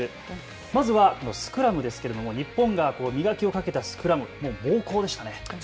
まずはスクラムですけれども日本が磨きをかけたスクラム、猛攻でしたね。